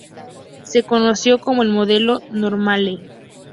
Se conoció como el modelo ‘normale’.